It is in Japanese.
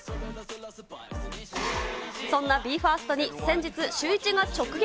そんなＢＥ：ＦＩＲＳＴに先日、シューイチが直撃。